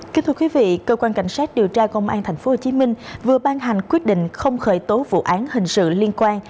kính thưa quý vị cơ quan cảnh sát điều tra công an tp hcm vừa ban hành quyết định không khởi tố vụ án hình sự liên quan